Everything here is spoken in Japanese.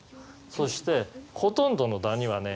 そしてほとんどのダニはね